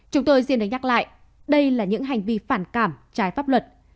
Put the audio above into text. chúng tôi xin đánh nhắc lại đây là những hành vi phản cảm trái pháp luật